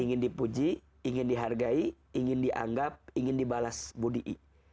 ingin dipuji ingin dihargai ingin dianggap ingin dibalas budi'i